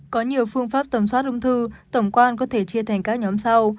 có nhiều phương pháp tầm soát ung thư tổng quan có thể chia thành các nhóm sau